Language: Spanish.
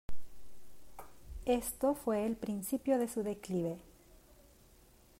Esto fue el principio de su declive.